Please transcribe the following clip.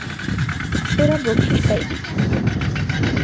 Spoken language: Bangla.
তোরা বকশিশ পাইবি।